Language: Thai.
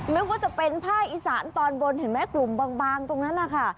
ไม่ว่าจะเป็นภาคอีสานตอนบนเห็นไหมกลุ่มบางตรงนั้นนะคะ